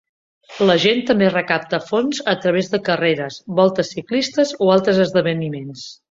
La gent també recapta fons a través de carreres, voltes ciclistes o altres esdeveniments.